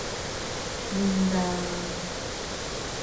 — М-да...